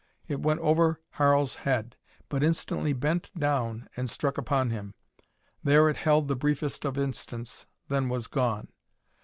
It went over Harl's head, but instantly bent down and struck upon him. There it held the briefest of instants, then was gone.